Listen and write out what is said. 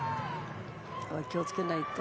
気を付けないと。